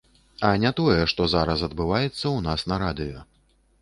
А не тое, што зараз адбываецца ў нас на радыё.